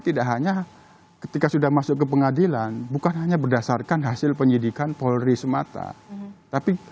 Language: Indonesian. tidak hanya ketika sudah masuk ke pengadilan bukan hanya berdasarkan hasil penyidikan polri semata tapi